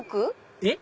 えっ？